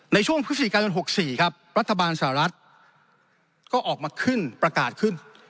ในช่วงพฤศจิกายน๖๔ครับรัฐบาลสหรัฐก็ออกมาขึ้นประกาศขึ้น